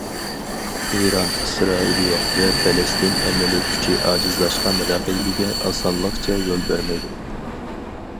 ئىران، ئىسرائىلىيە ۋە پەلەستىن ئەمەلىي كۈچى ئاجىزلاشقان رەقىبىگە ئاسانلىقچە يول بەرمەيدۇ.